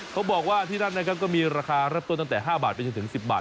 เขาบอกว่าที่นั่นก็มีราคารับตัวตั้งแต่๕บาทไปจนถึง๑๐บาท